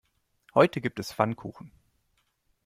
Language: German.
Heute gibt es Pfannkuchen.